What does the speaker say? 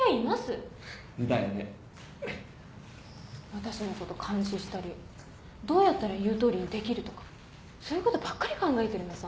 私のこと監視したりどうやったら言うとおりにできるとかそういうことばっかり考えてるんです